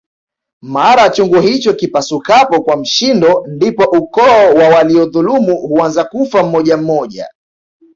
Mara chungu hicho kipasukapo kwa mshindo ndipo ukoo wa waliodhulumu huanza kufa mmoja mmoja